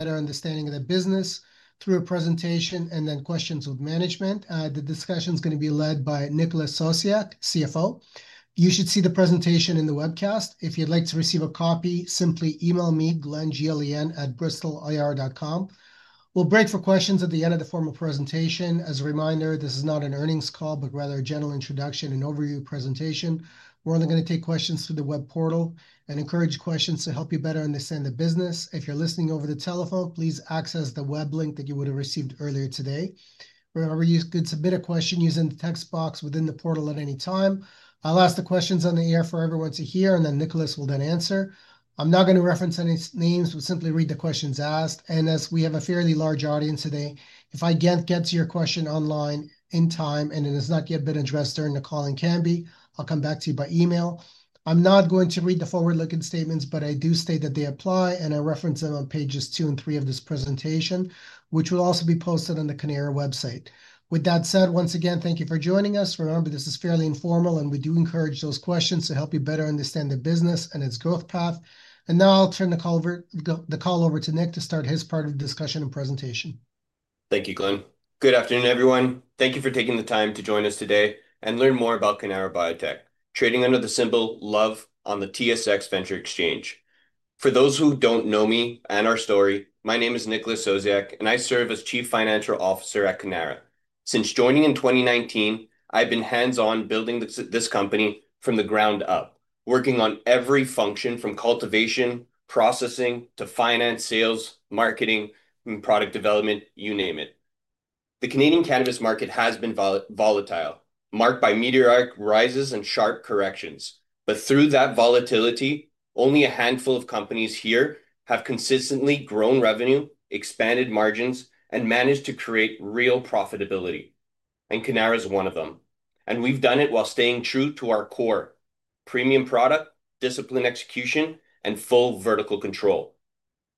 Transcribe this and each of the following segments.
Better understanding of the business through a presentation and then questions with management. The discussion is going to be led by Nicholas Sosiak, CFO. You should see the presentation in the webcast. If you'd like to receive a copy, simply email me: glenn@bristolir.com. We'll break for questions at the end of the formal presentation. As a reminder, this is not an earnings call, but rather a general introduction and overview presentation. We're only going to take questions through the web portal and encourage questions to help you better understand the business. If you're listening over the telephone, please access the web link that you would have received earlier today. However, you could submit a question using the text box within the portal at any time. I'll ask the questions on the air for everyone to hear, and then Nicholas will then answer. I'm not going to reference any names. We'll simply read the questions asked. As we have a fairly large audience today, if I can't get to your question online in time and it has not yet been addressed during the call, I can come back to you by email. I'm not going to read the forward-looking statements, but I do state that they apply, and I reference them on pages two and three of this presentation, which will also be posted on the Cannara website. With that said, once again, thank you for joining us. Remember, this is fairly informal, and we do encourage those questions to help you better understand the business and its growth path. Now I'll turn the call over to Nick to start his part of the discussion and presentation. Thank you, Glenn. Good afternoon, everyone. Thank you for taking the time to join us today and learn more about Cannara Biotech, trading under the symbol LOVE on the TSX Venture Exchange. For those who do not know me and our story, my name is Nicholas Sosiak, and I serve as Chief Financial Officer at Cannara. Since joining in 2019, I have been hands-on building this company from the ground up, working on every function from cultivation, processing, to finance, sales, marketing, and product development, you name it. The Canadian cannabis market has been volatile, marked by meteoric rises and sharp corrections. Through that volatility, only a handful of companies here have consistently grown revenue, expanded margins, and managed to create real profitability. Cannara is one of them. We have done it while staying true to our core: premium product, disciplined execution, and full vertical control.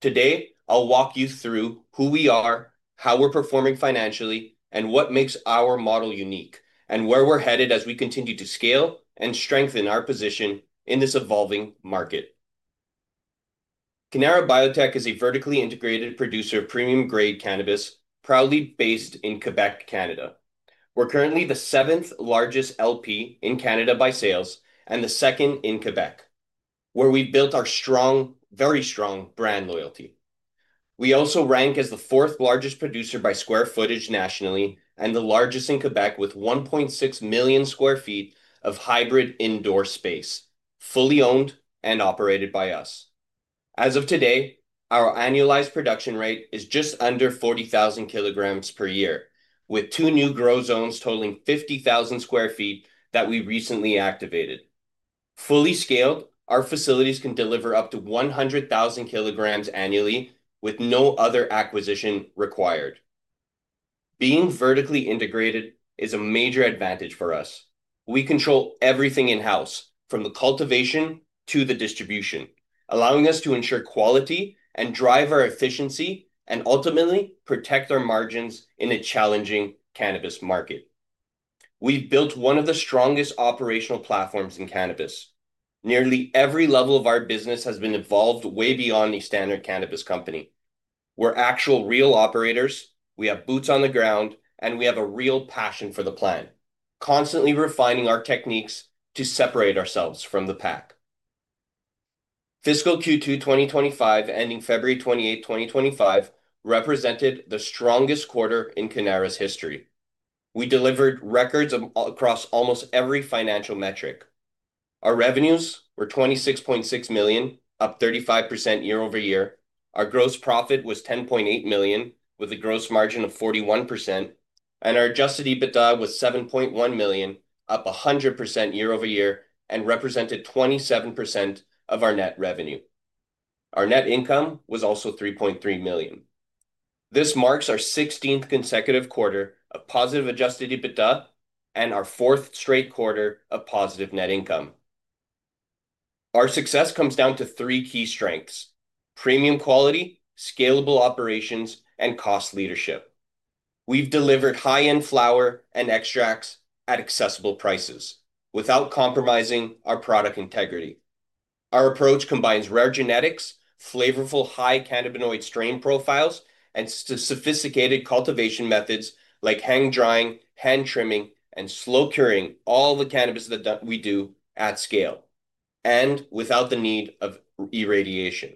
Today, I'll walk you through who we are, how we're performing financially, what makes our model unique, and where we're headed as we continue to scale and strengthen our position in this evolving market. Cannara Biotech is a vertically integrated producer of premium-grade cannabis, proudly based in Quebec, Canada. We're currently the seventh-largest LP in Canada by sales and the second in Quebec, where we built our strong, very strong brand loyalty. We also rank as the fourth-largest producer by square footage nationally and the largest in Quebec with 1.6 million sq ft of hybrid indoor space, fully owned and operated by us. As of today, our annualized production rate is just under 40,000 kilograms per year, with two new grow zones totaling 50,000 sq ft that we recently activated. Fully scaled, our facilities can deliver up to 100,000 kilograms annually with no other acquisition required. Being vertically integrated is a major advantage for us. We control everything in-house, from the cultivation to the distribution, allowing us to ensure quality and drive our efficiency and ultimately protect our margins in a challenging cannabis market. We've built one of the strongest operational platforms in cannabis. Nearly every level of our business has been evolved way beyond the standard cannabis company. We're actual real operators. We have boots on the ground, and we have a real passion for the plant, constantly refining our techniques to separate ourselves from the pack. Fiscal Q2 2025, ending February 28, 2025, represented the strongest quarter in Cannara's history. We delivered records across almost every financial metric. Our revenues were 26.6 million, up 35% year over year. Our gross profit was 10.8 million, with a gross margin of 41%, and our adjusted EBITDA was 7.1 million, up 100% year over year, and represented 27% of our net revenue. Our net income was also 3.3 million. This marks our 16th consecutive quarter of positive adjusted EBITDA and our fourth straight quarter of positive net income. Our success comes down to three key strengths: premium quality, scalable operations, and cost leadership. We've delivered high-end flower and extracts at accessible prices without compromising our product integrity. Our approach combines rare genetics, flavorful high cannabinoid strain profiles, and sophisticated cultivation methods like hang-drying, hand-trimming, and slow curing all the cannabis that we do at scale, and without the need of irradiation.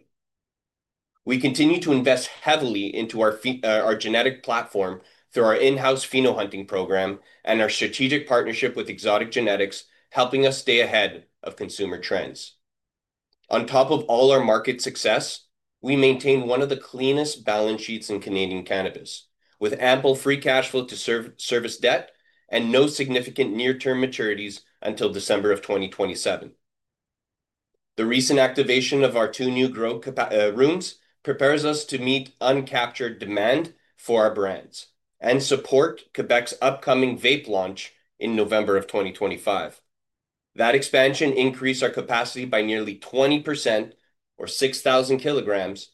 We continue to invest heavily into our genetic platform through our in-house phenohunting program and our strategic partnership with Exotic Genetics, helping us stay ahead of consumer trends. On top of all our market success, we maintain one of the cleanest balance sheets in Canadian cannabis, with ample free cash flow to service debt and no significant near-term maturities until December of 2027. The recent activation of our two new grow rooms prepares us to meet uncaptured demand for our brands and support Quebec's upcoming vape launch in November of 2025. That expansion increased our capacity by nearly 20%, or 6,000 kilograms,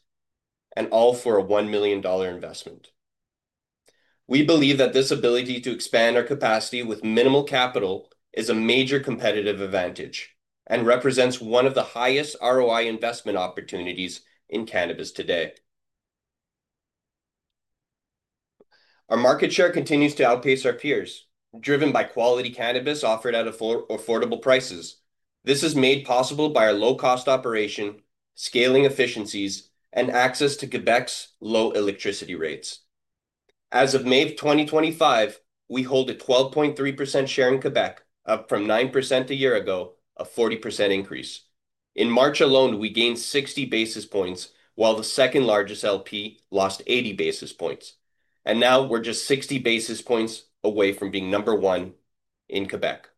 and all for a 1 million dollar investment. We believe that this ability to expand our capacity with minimal capital is a major competitive advantage and represents one of the highest ROI investment opportunities in cannabis today. Our market share continues to outpace our peers, driven by quality cannabis offered at affordable prices. This is made possible by our low-cost operation, scaling efficiencies, and access to Quebec's low electricity rates. As of May of 2025, we hold a 12.3% share in Quebec, up from 9% a year ago, a 40% increase. In March alone, we gained 60 basis points, while the second-largest LP lost 80 basis points. Now we're just 60 basis points away from being number one in Quebec.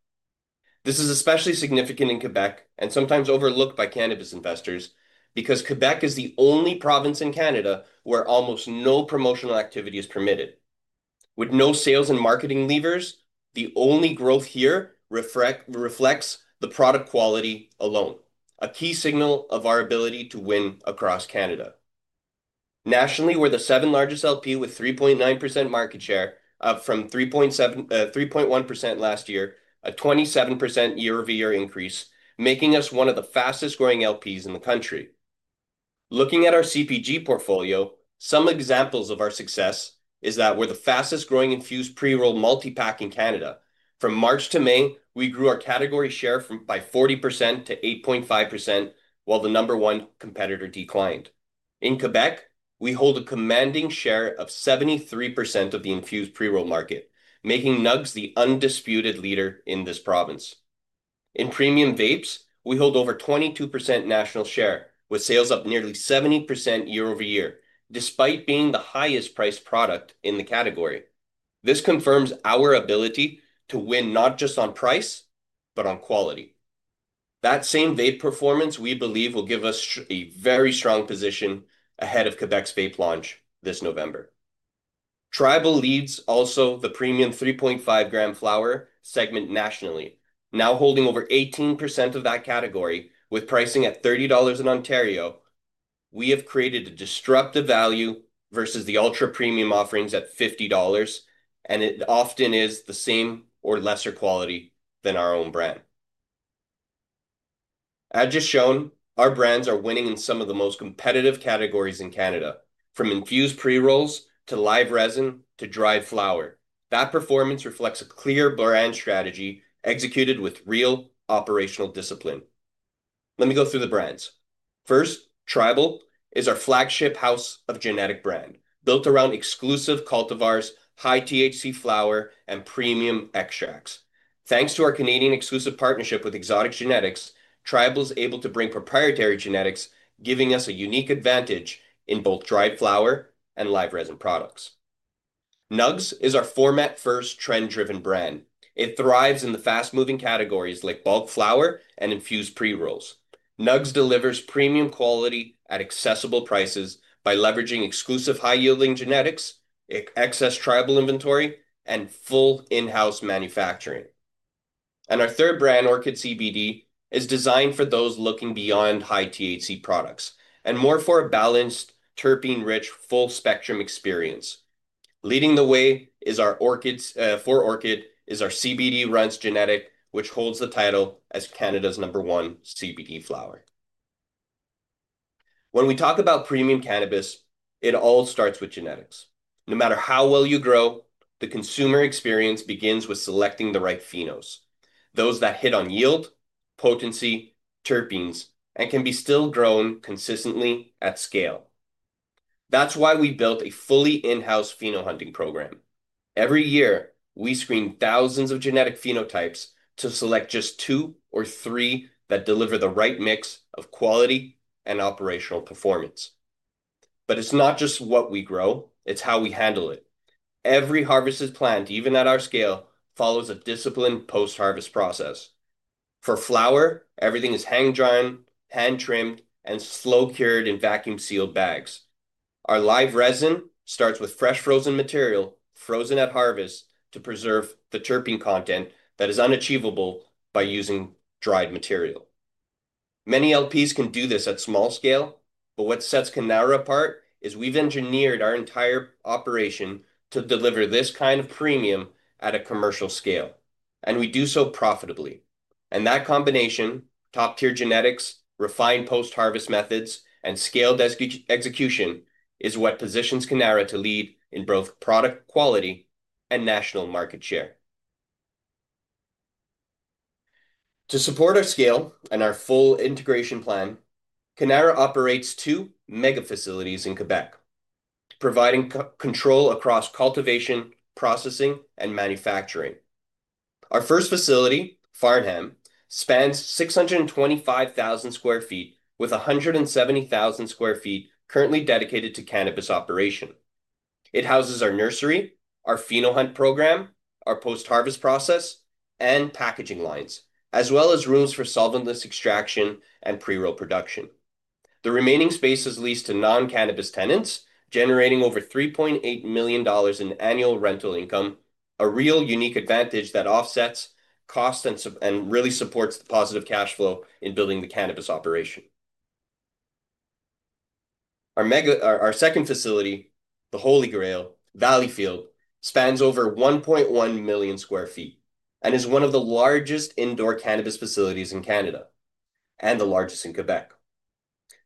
This is especially significant in Quebec and sometimes overlooked by cannabis investors because Quebec is the only province in Canada where almost no promotional activity is permitted. With no sales and marketing levers, the only growth here reflects the product quality alone, a key signal of our ability to win across Canada. Nationally, we're the seventh-largest LP with 3.9% market share, up from 3.1% last year, a 27% year-over-year increase, making us one of the fastest-growing LPs in the country. Looking at our CPG portfolio, some examples of our success are that we're the fastest-growing infused pre-roll multi-pack in Canada. From March to May, we grew our category share by 40% to 8.5%, while the number one competitor declined. In Quebec, we hold a commanding share of 73% of the infused pre-roll market, making NUGS the undisputed leader in this province. In premium vapes, we hold over 22% national share, with sales up nearly 70% year-over-year, despite being the highest-priced product in the category. This confirms our ability to win not just on price, but on quality. That same vape performance we believe will give us a very strong position ahead of Quebec's vape launch this November. Tribal leads also the premium 3.5-gram flower segment nationally, now holding over 18% of that category with pricing at 30 dollars in Ontario. We have created a disruptive value versus the ultra-premium offerings at 50 dollars, and it often is the same or lesser quality than our own brand. As just shown, our brands are winning in some of the most competitive categories in Canada, from infused pre-rolls to live resin to dried flower. That performance reflects a clear brand strategy executed with real operational discipline. Let me go through the brands. First, Tribal is our flagship house of genetic brand, built around exclusive cultivars, high THC flower, and premium extracts. Thanks to our Canadian exclusive partnership with Exotic Genetics, Tribal is able to bring proprietary genetics, giving us a unique advantage in both dried flower and live resin products. NUGS is our format-first, trend-driven brand. It thrives in the fast-moving categories like bulk flower and infused pre-rolls. NUGS delivers premium quality at accessible prices by leveraging exclusive high-yielding genetics, excess Tribal inventory, and full in-house manufacturing. Our third brand, Orchid CBD, is designed for those looking beyond high THC products and more for a balanced, terpene-rich, full-spectrum experience. Leading the way is our Orchid CBD Runs genetic, which holds the title as Canada's number one CBD flower. When we talk about premium cannabis, it all starts with genetics. No matter how well you grow, the consumer experience begins with selecting the right phenos, those that hit on yield, potency, terpenes, and can be still grown consistently at scale. That is why we built a fully in-house phenohunting program. Every year, we screen thousands of genetic phenotypes to select just two or three that deliver the right mix of quality and operational performance. It is not just what we grow, it is how we handle it. Every harvested plant, even at our scale, follows a disciplined post-harvest process. For flower, everything is hang-drying, hand-trimmed, and slow cured in vacuum-sealed bags. Our live resin starts with fresh frozen material frozen at harvest to preserve the terpene content that is unachievable by using dried material. Many LPs can do this at small scale, but what sets Cannara apart is we've engineered our entire operation to deliver this kind of premium at a commercial scale, and we do so profitably. That combination, top-tier genetics, refined post-harvest methods, and scaled execution is what positions Cannara to lead in both product quality and national market share. To support our scale and our full integration plan, Cannara operates two mega facilities in Quebec, providing control across cultivation, processing, and manufacturing. Our first facility, Farnham, spans 625,000 sq ft, with 170,000 sq ft currently dedicated to cannabis operation. It houses our nursery, our phenohunt program, our post-harvest process, and packaging lines, as well as rooms for solventless extraction and pre-roll production. The remaining space is leased to non-cannabis tenants, generating over 3.8 million dollars in annual rental income, a real unique advantage that offsets cost and really supports the positive cash flow in building the cannabis operation. Our second facility, the Holy Grail Valley Field, spans over 1.1 million sq ft and is one of the largest indoor cannabis facilities in Canada and the largest in Quebec.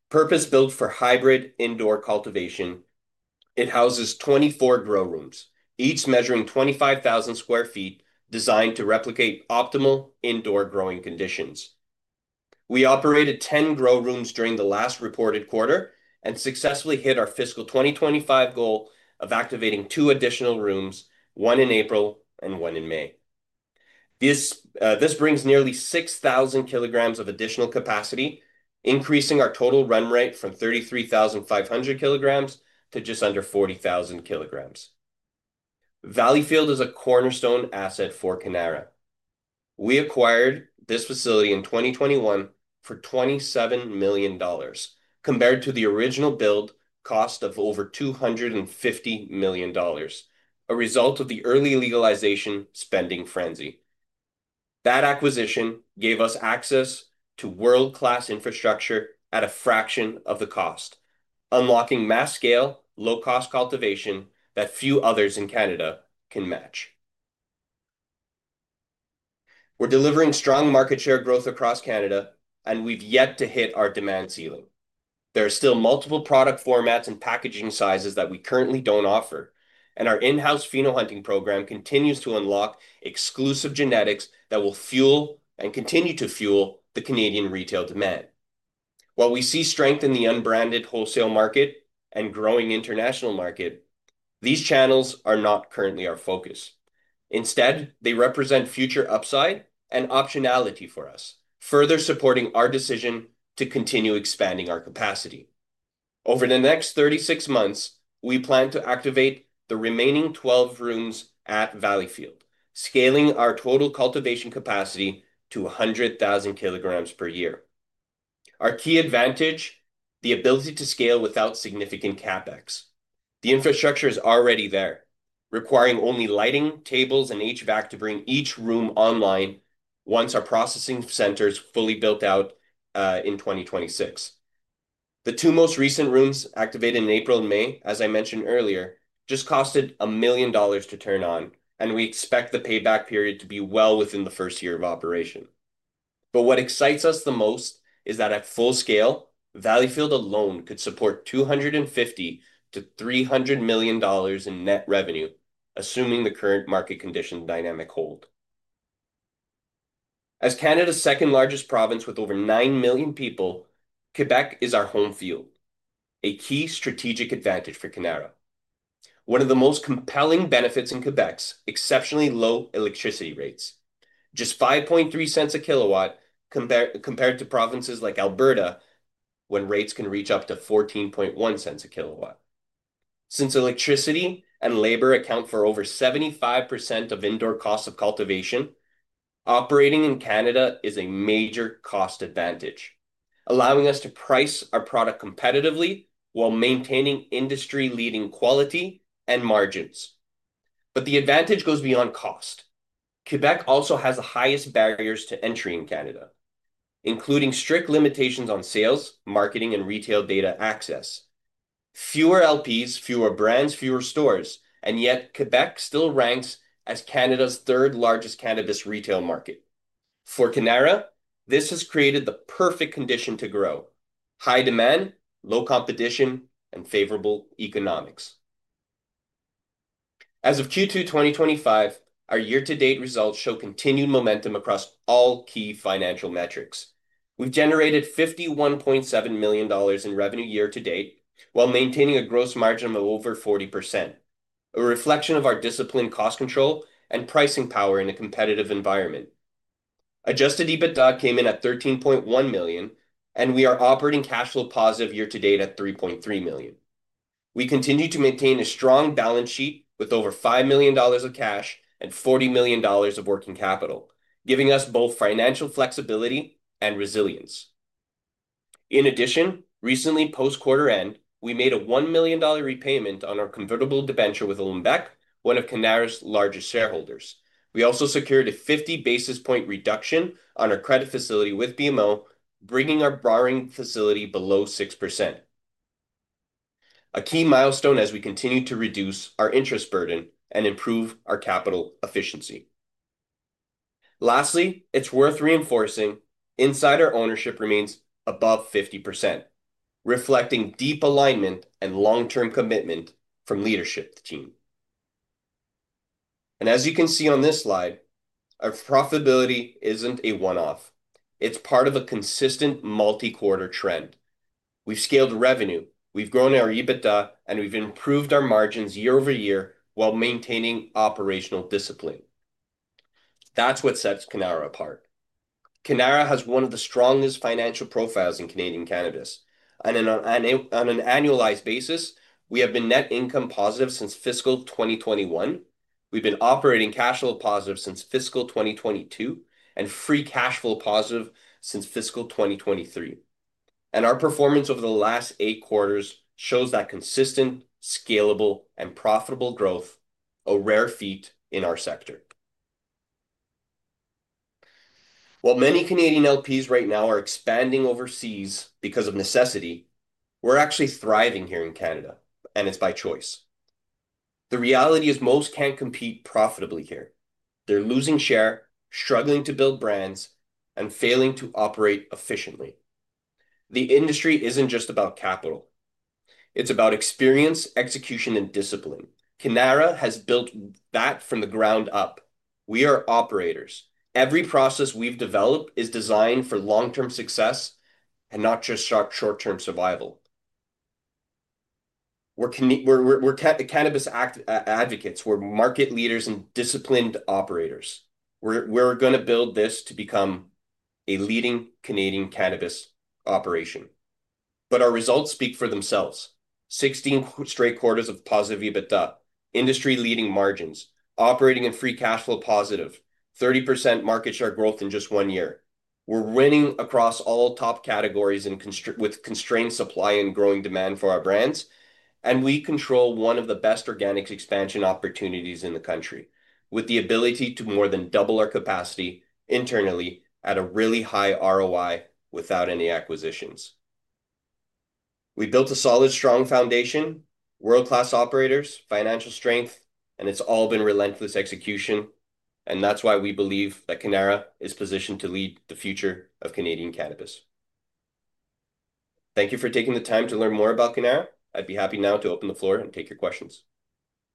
Purpose-built for hybrid indoor cultivation, it houses 24 grow rooms, each measuring 25,000 sq ft, designed to replicate optimal indoor growing conditions. We operated 10 grow rooms during the last reported quarter and successfully hit our fiscal 2025 goal of activating two additional rooms, one in April and one in May. This brings nearly 6,000 kilograms of additional capacity, increasing our total run rate from 33,500 kilograms to just under 40,000 kilograms. Valley Field is a cornerstone asset for Cannara. We acquired this facility in 2021 for 27 million dollars, compared to the original build cost of over 250 million dollars, a result of the early legalization spending frenzy. That acquisition gave us access to world-class infrastructure at a fraction of the cost, unlocking mass-scale, low-cost cultivation that few others in Canada can match. We're delivering strong market share growth across Canada, and we've yet to hit our demand ceiling. There are still multiple product formats and packaging sizes that we currently don't offer, and our in-house phenohunting program continues to unlock exclusive genetics that will fuel and continue to fuel the Canadian retail demand. While we see strength in the unbranded wholesale market and growing international market, these channels are not currently our focus. Instead, they represent future upside and optionality for us, further supporting our decision to continue expanding our capacity. Over the next 36 months, we plan to activate the remaining 12 rooms at Valley Field, scaling our total cultivation capacity to 100,000 kilograms per year. Our key advantage is the ability to scale without significant CapEx. The infrastructure is already there, requiring only lighting, tables, and HVAC to bring each room online once our processing center is fully built out in 2026. The two most recent rooms, activated in April and May, as I mentioned earlier, just costed 1 million dollars to turn on, and we expect the payback period to be well within the first year of operation. What excites us the most is that at full scale, Valley Field alone could support 250 million-300 million dollars in net revenue, assuming the current market condition dynamic hold. As Canada's second-largest province with over 9 million people, Quebec is our home field, a key strategic advantage for Cannara. One of the most compelling benefits in Quebec is exceptionally low electricity rates, just $0.053 a kilowatt compared to provinces like Alberta, where rates can reach up to $0.141 a kilowatt. Since electricity and labor account for over 75% of indoor costs of cultivation, operating in Quebec is a major cost advantage, allowing us to price our product competitively while maintaining industry-leading quality and margins. The advantage goes beyond cost. Quebec also has the highest barriers to entry in Canada, including strict limitations on sales, marketing, and retail data access. Fewer LPs, fewer brands, fewer stores, and yet Quebec still ranks as Canada's third-largest cannabis retail market. For Cannara, this has created the perfect condition to grow: high demand, low competition, and favorable economics. As of Q2 2025, our year-to-date results show continued momentum across all key financial metrics. We've generated 51.7 million dollars in revenue year-to-date while maintaining a gross margin of over 40%, a reflection of our disciplined cost control and pricing power in a competitive environment. Adjusted EBITDA came in at 13.1 million, and we are operating cash flow positive year-to-date at 3.3 million. We continue to maintain a strong balance sheet with over 5 million dollars of cash and 40 million dollars of working capital, giving us both financial flexibility and resilience. In addition, recently, post-quarter end, we made a 1 million dollar repayment on our convertible debenture with Lombec, one of Cannara's largest shareholders. We also secured a 50 basis point reduction on our credit facility with BMO, bringing our borrowing facility below 6%. A key milestone as we continue to reduce our interest burden and improve our capital efficiency. Lastly, it's worth reinforcing insider ownership remains above 50%, reflecting deep alignment and long-term commitment from leadership team. As you can see on this slide, our profitability isn't a one-off. It's part of a consistent multi-quarter trend. We've scaled revenue, we've grown our EBITDA, and we've improved our margins year over year while maintaining operational discipline. That's what sets Cannara apart. Cannara has one of the strongest financial profiles in Canadian cannabis. On an annualized basis, we have been net income positive since fiscal 2021. We've been operating cash flow positive since fiscal 2022 and free cash flow positive since fiscal 2023. Our performance over the last eight quarters shows that consistent, scalable, and profitable growth is a rare feat in our sector. While many Canadian LPs right now are expanding overseas because of necessity, we're actually thriving here in Canada, and it's by choice. The reality is most can't compete profitably here. They're losing share, struggling to build brands, and failing to operate efficiently. The industry isn't just about capital. It's about experience, execution, and discipline. Cannara has built that from the ground up. We are operators. Every process we've developed is designed for long-term success and not just short-term survival. We're cannabis advocates. We're market leaders and disciplined operators. We're going to build this to become a leading Canadian cannabis operation. Our results speak for themselves. Sixteen straight quarters of positive EBITDA, industry-leading margins, operating in free cash flow positive, 30% market share growth in just one year. We're winning across all top categories with constrained supply and growing demand for our brands, and we control one of the best organic expansion opportunities in the country with the ability to more than double our capacity internally at a really high ROI without any acquisitions. We built a solid, strong foundation, world-class operators, financial strength, and it's all been relentless execution. That is why we believe that Cannara is positioned to lead the future of Canadian cannabis. Thank you for taking the time to learn more about Cannara. I'd be happy now to open the floor and take your questions.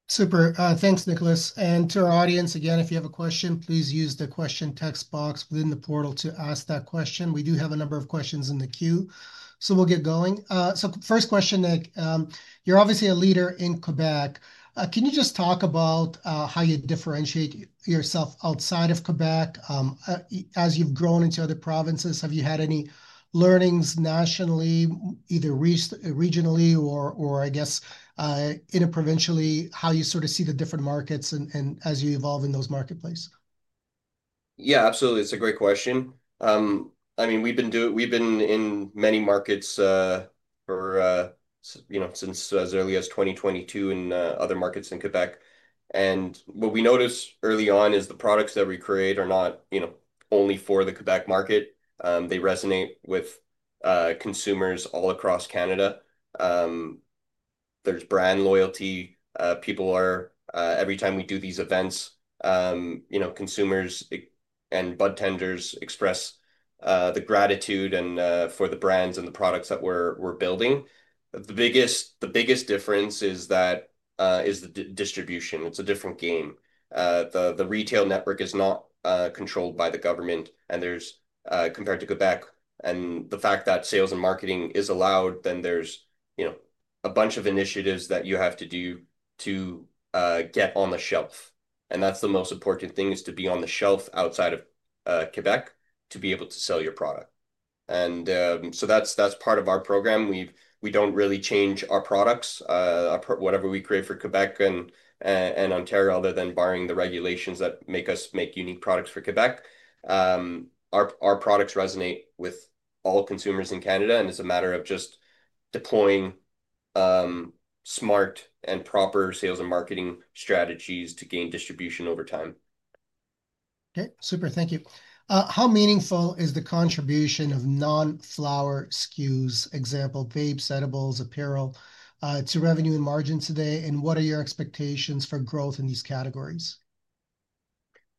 Super. Thanks, Nicholas. To our audience, again, if you have a question, please use the question text box within the portal to ask that question. We do have a number of questions in the queue, so we'll get going. First question, Nick, you're obviously a leader in Quebec. Can you just talk about how you differentiate yourself outside of Quebec as you've grown into other provinces? Have you had any learnings nationally, either regionally or, I guess, interprovincially, how you sort of see the different markets and as you evolve in those marketplace? Yeah, absolutely. It's a great question. I mean, we've been doing it. We've been in many markets for, you know, since as early as 2022 in other markets in Quebec. What we noticed early on is the products that we create are not, you know, only for the Quebec market. They resonate with consumers all across Canada. There's brand loyalty. People are, every time we do these events, you know, consumers and bud tenders express the gratitude for the brands and the products that we're building. The biggest difference is that is the distribution. It's a different game. The retail network is not controlled by the government, and there's, compared to Quebec and the fact that sales and marketing is allowed, then there's, you know, a bunch of initiatives that you have to do to get on the shelf. That's the most important thing is to be on the shelf outside of Quebec to be able to sell your product. That's part of our program. We don't really change our products, whatever we create for Quebec and Ontario, other than barring the regulations that make us make unique products for Quebec. Our products resonate with all consumers in Canada, and it's a matter of just deploying smart and proper sales and marketing strategies to gain distribution over time. Okay. Super. Thank you. How meaningful is the contribution of non-flower SKUs, example, vapes, edibles, apparel to revenue and margins today? What are your expectations for growth in these categories?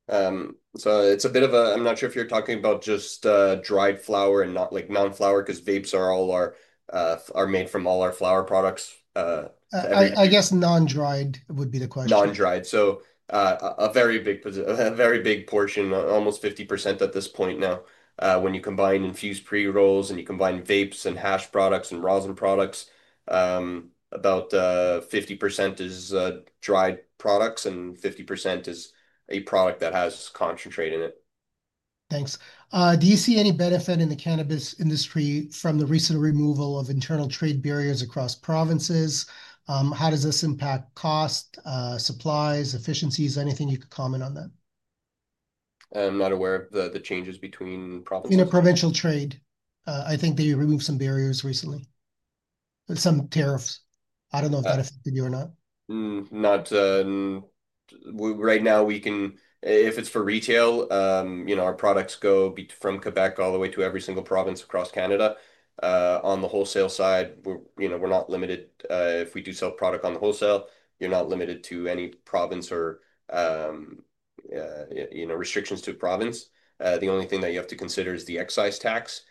It's a bit of a, I'm not sure if you're talking about just dried flower and not like non-flower because vapes are all made from all our flower products. I guess non-dried would be the question. Non-dried. A very big position, a very big portion, almost 50% at this point now. When you combine infused pre-rolls and you combine vapes and hash products and rosin products, about 50% is dried products and 50% is a product that has concentrate in it. Thanks. Do you see any benefit in the cannabis industry from the recent removal of internal trade barriers across provinces? How does this impact cost, supplies, efficiencies? Anything you could comment on that? I'm not aware of the changes between provinces. In a provincial trade, I think they removed some barriers recently, some tariffs.I don't know if that affected you or not. Not right now. We can, if it's for retail, you know, our products go from Quebec all the way to every single province across Canada. On the wholesale side, we're not limited. If we do sell product on the wholesale, you're not limited to any province or, you know, restrictions to a province. The only thing that you have to consider is the excise tax.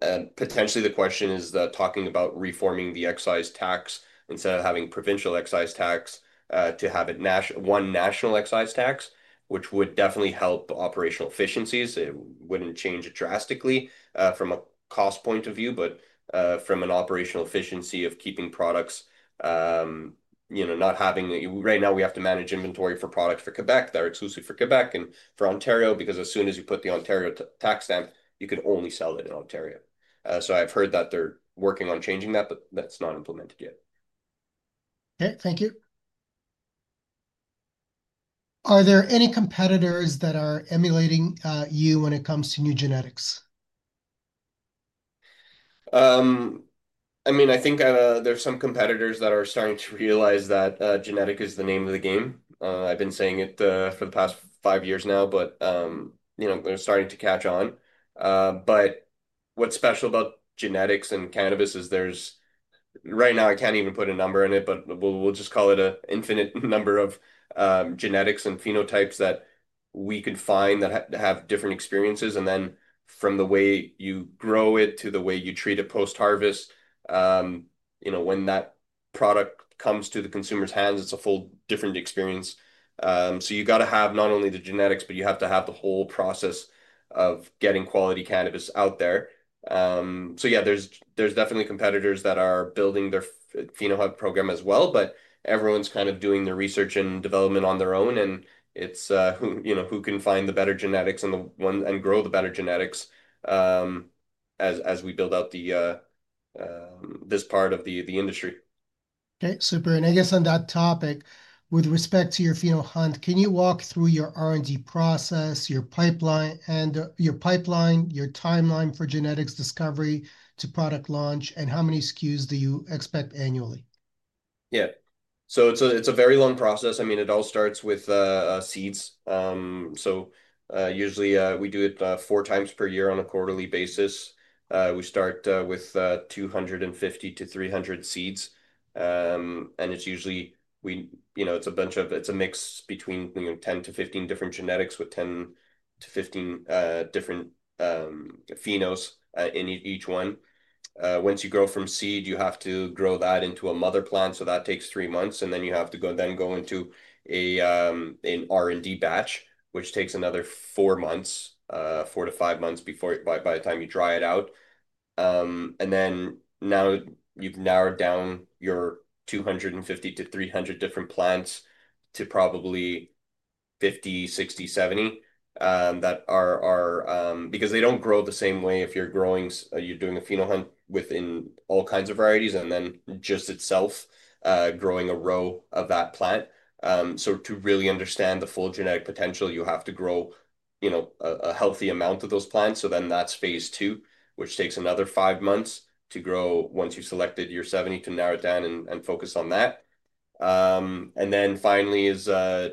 Potentially, the question is talking about reforming the excise tax instead of having provincial excise tax to have one national excise tax, which would definitely help operational efficiencies. It would not change drastically from a cost point of view, but from an operational efficiency of keeping products, you know, not having—right now we have to manage inventory for products for Quebec that are exclusive for Quebec and for Ontario because as soon as you put the Ontario tax stamp, you can only sell it in Ontario. I have heard that they are working on changing that, but that is not implemented yet. Okay. Thank you. Are there any competitors that are emulating you when it comes to new genetics? I mean, I think there are some competitors that are starting to realize that genetic is the name of the game. I have been saying it for the past five years now, but, you know, they are starting to catch on. What's special about genetics and cannabis is there's, right now, I can't even put a number on it, but we'll just call it an infinite number of genetics and phenotypes that we could find that have different experiences. From the way you grow it to the way you treat it post-harvest, when that product comes to the consumer's hands, it's a full different experience. You have to have not only the genetics, but you have to have the whole process of getting quality cannabis out there. Yeah, there's definitely competitors that are building their phenohunt program as well, but everyone's kind of doing the research and development on their own. It's, you know, who can find the better genetics and grow the better genetics as we build out this part of the industry. Okay. Super. I guess on that topic, with respect to your phenohunt, can you walk through your R&D process, your pipeline, and your timeline for genetics discovery to product launch? And how many SKUs do you expect annually? Yeah. It's a very long process. I mean, it all starts with seeds. Usually we do it four times per year on a quarterly basis. We start with 250-300 seeds. It's usually, you know, it's a bunch of, it's a mix between, you know, 10-15 different genetics with 10-15 different phenos in each one. Once you grow from seed, you have to grow that into a mother plant. That takes three months. Then you have to go into an R&D batch, which takes another four to five months before, by the time you dry it out. Now you've narrowed down your 250-300 different plants to probably 50, 60, 70 that are, because they do not grow the same way if you're growing, you're doing a phenohunt within all kinds of varieties and then just itself growing a row of that plant. To really understand the full genetic potential, you have to grow, you know, a healthy amount of those plants. That is phase two, which takes another five months to grow once you've selected your 70 to narrow it down and focus on that. Finally,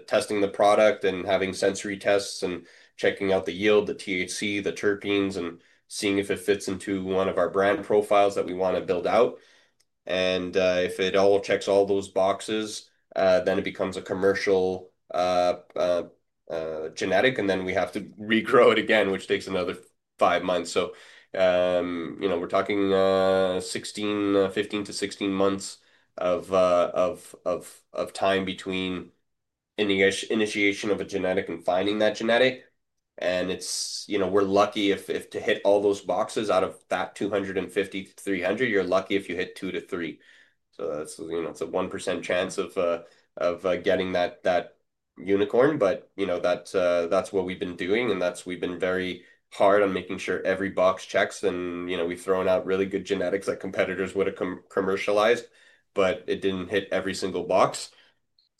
testing the product and having sensory tests and checking out the yield, the THC, the terpenes, and seeing if it fits into one of our brand profiles that we want to build out. If it all checks all those boxes, then it becomes a commercial genetic, and then we have to regrow it again, which takes another five months. You know, we're talking 15-16 months of time between initiation of a genetic and finding that genetic. You know, we're lucky if to hit all those boxes out of that 250-300, you're lucky if you hit two to three. That's, you know, it's a 1% chance of getting that unicorn. You know, that's what we've been doing. We've been very hard on making sure every box checks. You know, we've thrown out really good genetics that competitors would have commercialized, but it didn't hit every single box.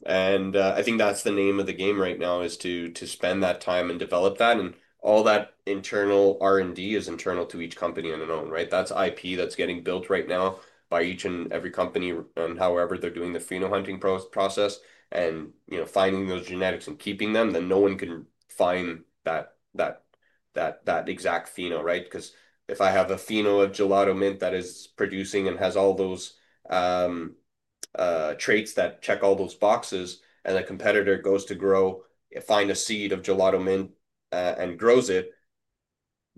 I think that's the name of the game right now is to spend that time and develop that. All that internal R&D is internal to each company on its own, right? That's IP that's getting built right now by each and every company and however they're doing the phenohunting process and, you know, finding those genetics and keeping them, then no one can find that exact pheno, right? Because if I have a pheno of gelato mint that is producing and has all those traits that check all those boxes and a competitor goes to grow, find a seed of gelato mint and grows it,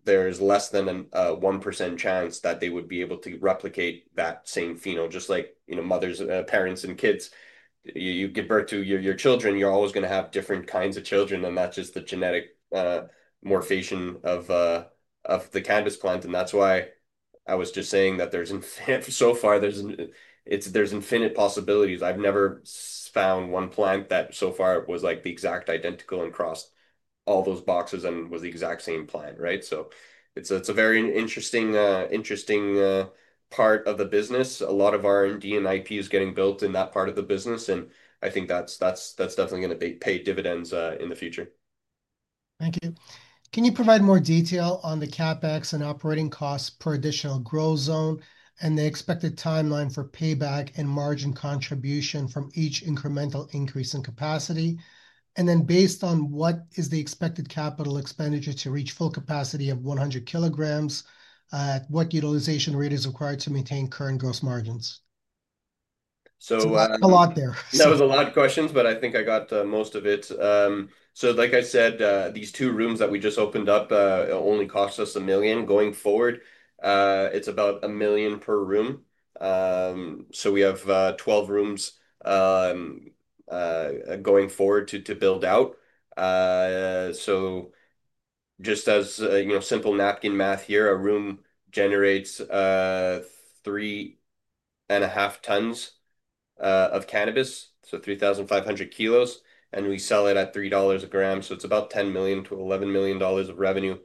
there's less than a 1% chance that they would be able to replicate that same pheno, just like, you know, mothers, parents, and kids. You give birth to your children, you're always going to have different kinds of children, and that's just the genetic morphation of the cannabis plant. That is why I was just saying that there are infinite, so far, there are infinite possibilities. I have never found one plant that so far was the exact identical and crossed all those boxes and was the exact same plant, right? It is a very interesting part of the business. A lot of R&D and IP is getting built in that part of the business. I think that is definitely going to pay dividends in the future. Thank you. Can you provide more detail on the CapEx and operating costs per additional grow zone and the expected timeline for payback and margin contribution from each incremental increase in capacity? Based on that, what is the expected capital expenditure to reach full capacity of 100 kilograms, and what utilization rate is required to maintain current gross margins? That is a lot there. That was a lot of questions, but I think I got most of it. Like I said, these two rooms that we just opened up only cost us 1 million. Going forward, it is about 1 million per room. We have 12 rooms going forward to build out. Just as, you know, simple napkin math here, a room generates three and a half tons of cannabis, so 3,500 kilos, and we sell it at 3 dollars a gram. It is about 10 million-11 million dollars of revenue.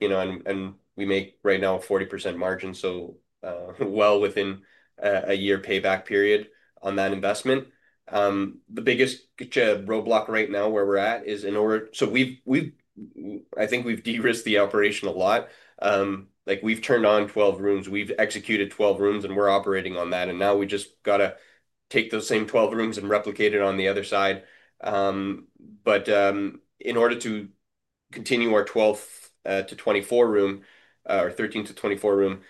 You know, and we make right now a 40% margin, so well within a year payback period on that investment. The biggest roadblock right now where we are at is in order so we have, I think we have de-risked the operation a lot. Like we have turned on 12 rooms, we have executed 12 rooms, and we are operating on that. Now we just got to take those same 12 rooms and replicate it on the other side. In order to continue our 12-24 room, or 13-24 room,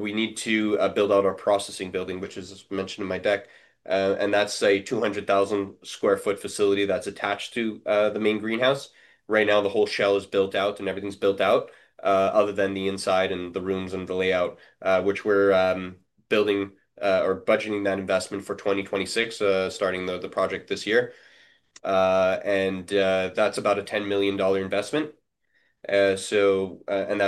we need to build out our processing building, which is mentioned in my deck. That is a 200,000 sq ft facility that is attached to the main greenhouse. Right now, the whole shell is built out and everything is built out other than the inside and the rooms and the layout, which we are building or budgeting that investment for 2026, starting the project this year. That is about a 10 million dollar investment. That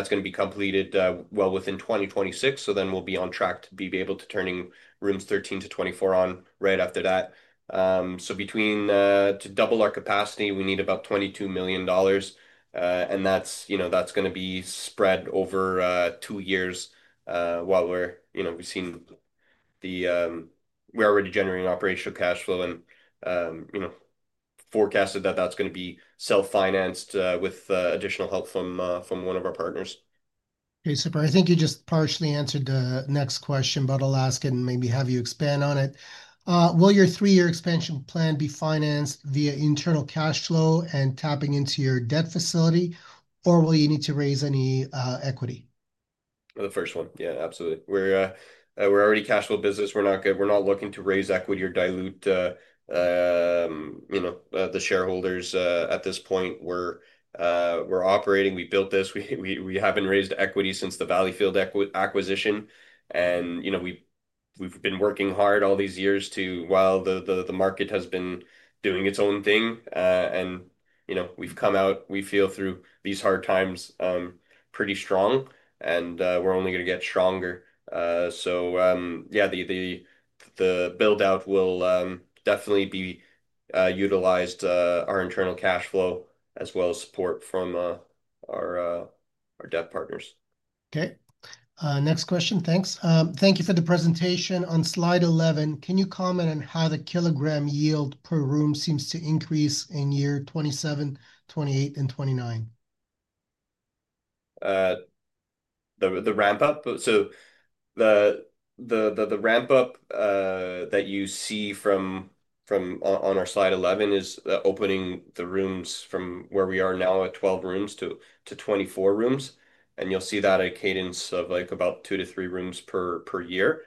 is going to be completed well within 2026. We will be on track to be able to turn rooms 13-24 on right after that. To double our capacity, we need about 22 million dollars. That's going to be spread over two years while we're, you know, we've seen that we're already generating operational cash flow and, you know, forecasted that that's going to be self-financed with additional help from one of our partners. Okay. Super. I think you just partially answered the next question, but I'll ask it and maybe have you expand on it. Will your three-year expansion plan be financed via internal cash flow and tapping into your debt facility, or will you need to raise any equity? The first one. Yeah, absolutely. We're already cash flow business. We're not looking to raise equity or dilute, you know, the shareholders at this point. We're operating. We built this. We haven't raised equity since the Valley Field acquisition. You know, we've been working hard all these years while the market has been doing its own thing. You know, we've come out, we feel, through these hard times pretty strong. We're only going to get stronger. Yeah, the buildout will definitely be utilizing our internal cash flow as well as support from our debt partners. Okay. Next question. Thanks. Thank you for the presentation. On slide 11, can you comment on how the kilogram yield per room seems to increase in year 2027, 2028, and 2029? The ramp-up. The ramp-up that you see from on our slide 11 is opening the rooms from where we are now at 12 rooms to 24 rooms. You'll see that at a cadence of about two to three rooms per year.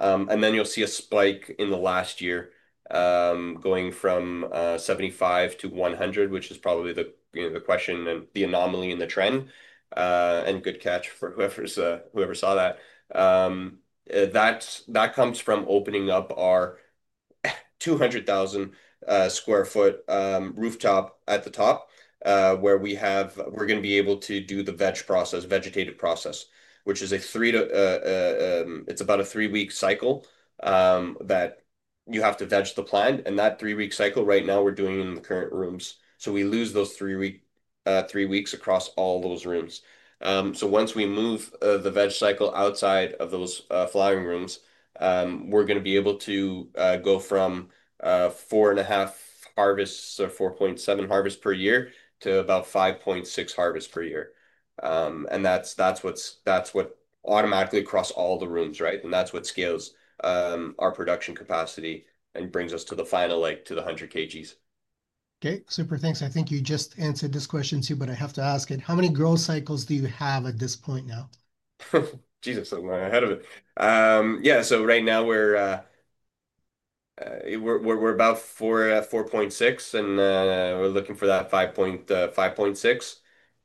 You'll see a spike in the last year going from 75 to 100, which is probably the question and the anomaly and the trend. Good catch for whoever saw that. That comes from opening up our 200,000 sq ft rooftop at the top where we're going to be able to do the veg process, vegetative process, which is a three- to it's about a three-week cycle that you have to veg the plant. That three-week cycle right now we're doing in the current rooms, so we lose those three weeks across all those rooms. Once we move the veg cycle outside of those flowering rooms, we're going to be able to go from 4.5 harvests or 4.7 harvests per year to about 5.6 harvests per year. That's what's automatically across all the rooms, right? That's what scales our production capacity and brings us to the final leg to the 100 kgs. Okay. Super. Thanks. I think you just answered this question too, but I have to ask it. How many growth cycles do you have at this point now? Jesus, I'm ahead of it. Yeah. Right now we're about 4.6 and we're looking for that 5.6.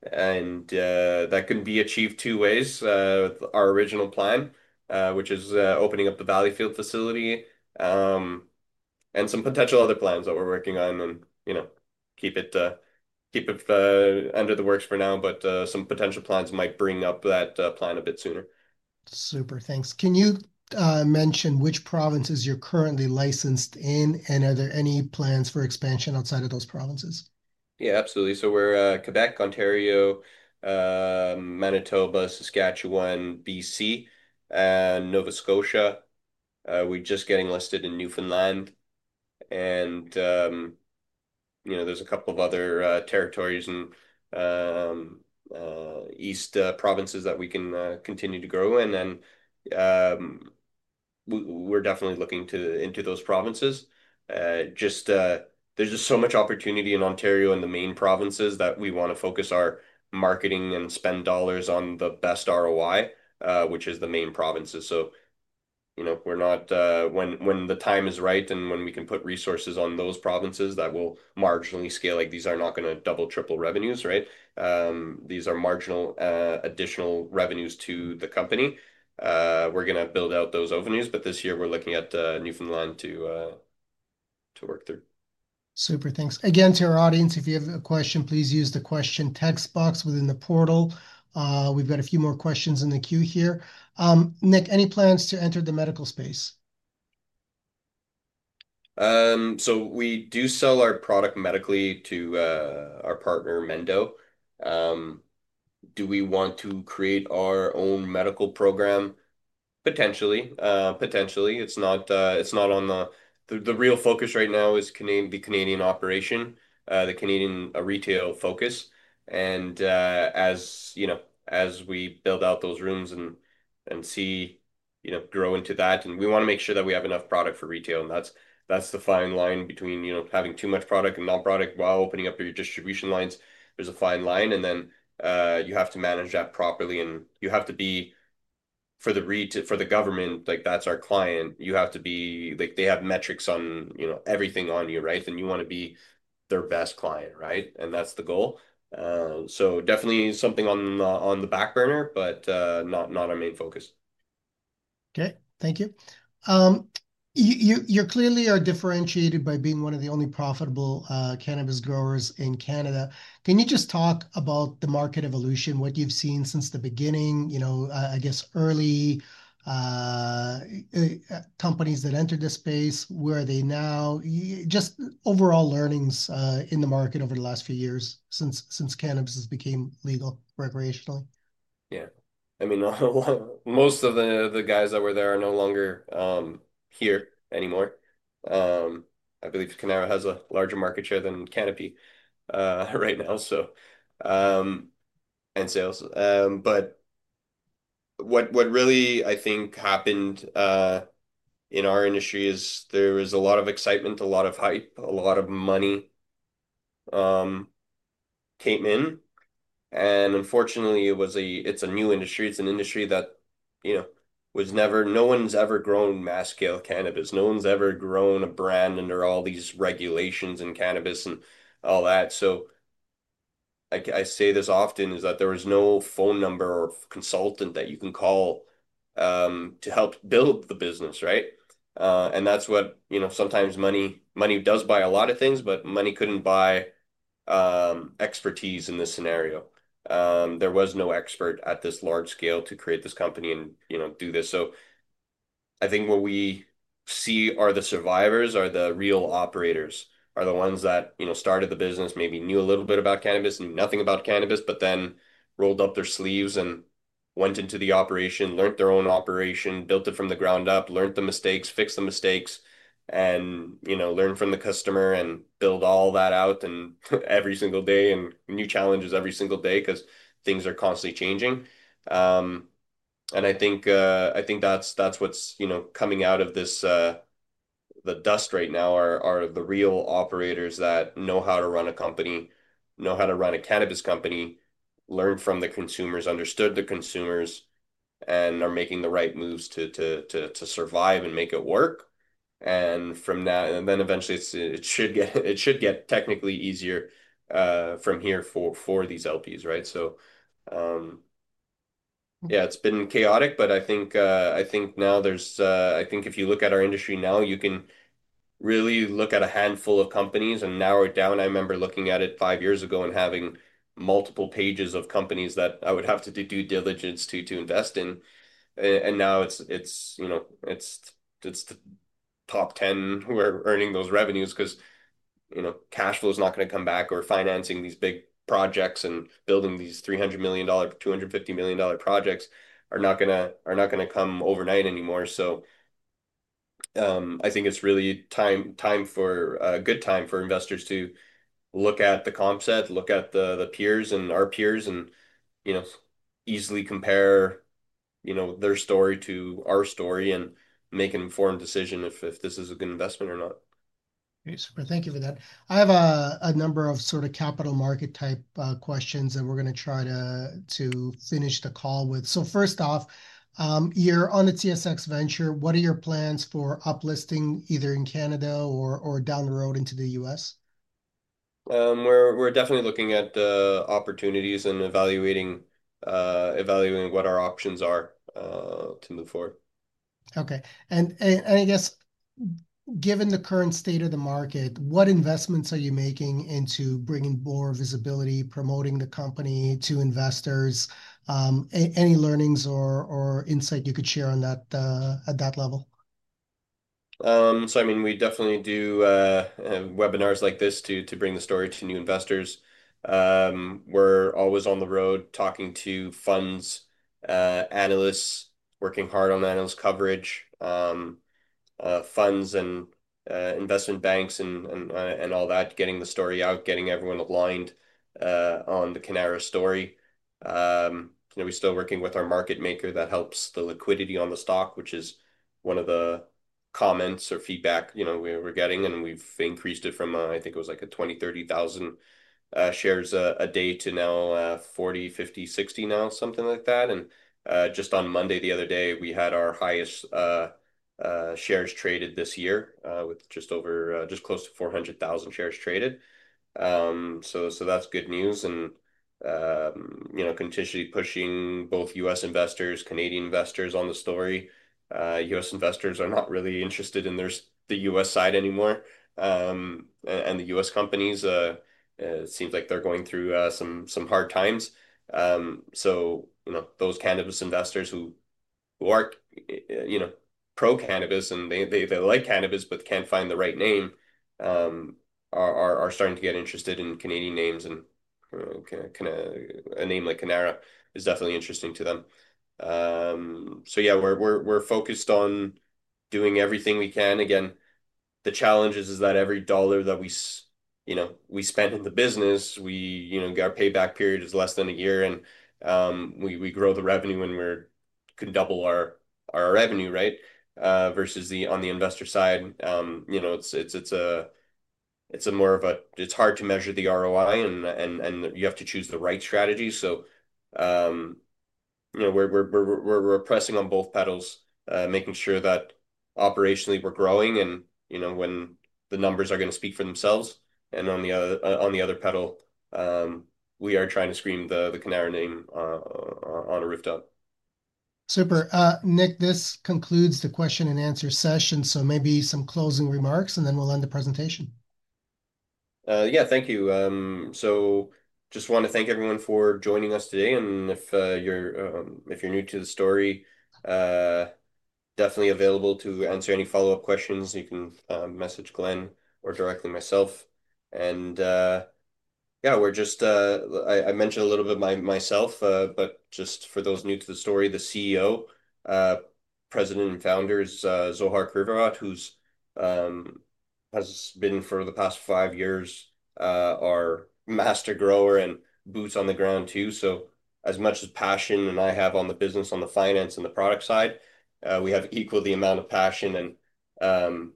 That can be achieved two ways with our original plan, which is opening up the Valley Field facility and some potential other plans that we're working on, you know, keep it under the works for now, but some potential plans might bring up that plan a bit sooner. Super. Thanks. Can you mention which provinces you're currently licensed in and are there any plans for expansion outside of those provinces? Yeah, absolutely. We're Quebec, Ontario, Manitoba, Saskatchewan, BC, and Nova Scotia. We're just getting listed in Newfoundland. And, you know, there's a couple of other territories and east provinces that we can continue to grow in. And we're definitely looking into those provinces. Just there's just so much opportunity in Ontario and the main provinces that we want to focus our marketing and spend dollars on the best ROI, which is the main provinces. So, you know, when the time is right and when we can put resources on those provinces that will marginally scale, like these are not going to double triple revenues, right? These are marginal additional revenues to the company. We're going to build out those openings, but this year we're looking at Newfoundland to work through. Super. Thanks. Again, to our audience, if you have a question, please use the question text box within the portal. We've got a few more questions in the queue here. Nick, any plans to enter the medical space? We do sell our product medically to our partner, Mendo. Do we want to create our own medical program? Potentially. Potentially. It's not on the real focus right now. The Canadian operation, the Canadian retail focus. As you know, as we build out those rooms and see, you know, grow into that, we want to make sure that we have enough product for retail. That's the fine line between, you know, having too much product and non-product while opening up your distribution lines. There's a fine line. You have to manage that properly. You have to be for the government, like that's our client. You have to be like they have metrics on, you know, everything on you, right? You want to be their best client, right? That's the goal. Definitely something on the back burner, but not our main focus. Okay. Thank you. You clearly are differentiated by being one of the only profitable cannabis growers in Canada. Can you just talk about the market evolution, what you've seen since the beginning, you know, I guess early companies that entered the space, where are they now? Just overall learnings in the market over the last few years since cannabis became legal recreationally. Yeah. I mean, most of the guys that were there are no longer here anymore. I believe Cannara has a larger market share than Canopy right now, so. In sales. What really I think happened in our industry is there was a lot of excitement, a lot of hype, a lot of money came in. Unfortunately, it's a new industry. It's an industry that, you know, no one's ever grown mass-scale cannabis. No one's ever grown a brand under all these regulations in cannabis and all that. I say this often is that there was no phone number or consultant that you can call to help build the business, right? That's what, you know, sometimes money does buy a lot of things, but money couldn't buy expertise in this scenario. There was no expert at this large scale to create this company and, you know, do this. I think what we see are the survivors, are the real operators, are the ones that, you know, started the business, maybe knew a little bit about cannabis, knew nothing about cannabis, but then rolled up their sleeves and went into the operation, learned their own operation, built it from the ground up, learned the mistakes, fixed the mistakes, and, you know, learned from the customer and built all that out every single day and new challenges every single day because things are constantly changing. I think that's what's, you know, coming out of the dust right now, are the real operators that know how to run a company, know how to run a cannabis company, learn from the consumers, understood the consumers, and are making the right moves to survive and make it work. From that, eventually it should get technically easier from here for these LPs, right? Yeah, it's been chaotic, but I think now, if you look at our industry now, you can really look at a handful of companies and now are down. I remember looking at it five years ago and having multiple pages of companies that I would have to do due diligence to invest in. Now it's the top 10, we're earning those revenues because, you know, cash flow is not going to come back or financing these big projects and building these 300 million dollar, 250 million dollar projects are not going to come overnight anymore. I think it's really time for a good time for investors to look at the comp set, look at the peers and our peers and, you know, easily compare, you know, their story to our story and make an informed decision if this is a good investment or not. Okay. Super. Thank you for that. I have a number of sort of capital market type questions that we're going to try to finish the call with. First off, you're on a TSX Venture. What are your plans for uplisting either in Canada or down the road into the U.S.? We're definitely looking at the opportunities and evaluating what our options are to move forward. Okay. I guess given the current state of the market, what investments are you making into bringing more visibility, promoting the company to investors? Any learnings or insight you could share on that at that level? I mean, we definitely do webinars like this to bring the story to new investors. We're always on the road talking to funds, analysts, working hard on analyst coverage, funds and investment banks and all that, getting the story out, getting everyone aligned on the Canara story. You know, we're still working with our market maker that helps the liquidity on the stock, which is one of the comments or feedback, you know, we're getting. We've increased it from, I think it was like $20,000-$30,000 shares a day to now 40,000-50,000-60,000, something like that. Just on Monday the other day, we had our highest shares traded this year with just over, just close to 400,000 shares traded. That's good news. You know, continuously pushing both U.S. investors, Canadian investors on the story. U.S. investors are not really interested in the U.S. side anymore. The U.S. companies, it seems like they're going through some hard times. You know, those cannabis investors who aren't, you know, pro cannabis and they like cannabis but can't find the right name are starting to get interested in Canadian names. A name like Cannara is definitely interesting to them. Yeah, we're focused on doing everything we can. Again, the challenge is that every dollar that we spend in the business, our payback period is less than a year. We grow the revenue and we can double our revenue, right? Versus on the investor side, you know, it's more of a, it's hard to measure the ROI and you have to choose the right strategy. You know, we're pressing on both pedals, making sure that operationally we're growing and, you know, when the numbers are going to speak for themselves. On the other pedal, we are trying to scream the Cannara name on a rooftop. Super. Nick, this concludes the question and answer session. Maybe some closing remarks and then we'll end the presentation. Yeah. Thank you. Just want to thank everyone for joining us today. If you're new to the story, definitely available to answer any follow-up questions. You can message Glenn or directly myself. Yeah, I mentioned a little bit myself, but just for those new to the story, the CEO, president and founder is Zohar Krivorot, who's been for the past five years our master grower and boots on the ground too. As much as passion and I have on the business, on the finance and the product side, we have equal the amount of passion and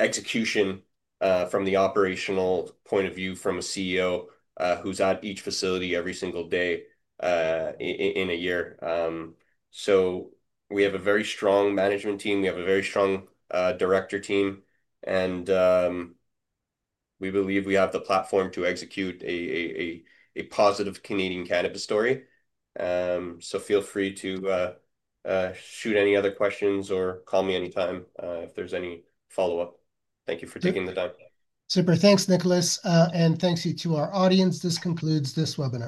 execution from the operational point of view from a CEO who's at each facility every single day in a year. We have a very strong management team. We have a very strong director team. We believe we have the platform to execute a positive Canadian cannabis story. Feel free to shoot any other questions or call me anytime if there's any follow-up. Thank you for taking the time. Super. Thanks, Nicholas. And thanks to our audience. This concludes this webinar.